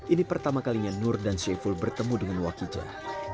ini pertama kalinya nur dan syaiful bertemu dengan wakijah